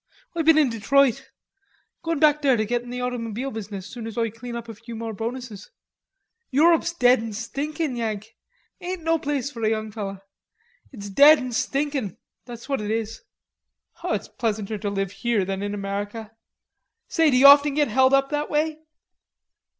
"Oi been in Detroit; goin' back there to git in the automoebile business soon as Oi clane up a few more bonuses. Europe's dead an stinkin', Yank. Ain't no place for a young fellow. It's dead an stinkin', that's what it is." "It's pleasanter to live here than in America.... Say, d'you often get held up that way?"